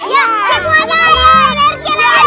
ya semuanya energinya